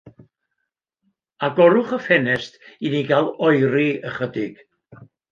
Agorwch y ffenest i ni gael oeri ychydig.